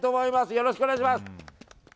よろしくお願いします。